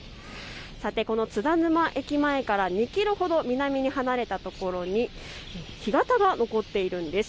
さてこの津田沼駅前から２キロほど南に離れたところに干潟が残っているんです。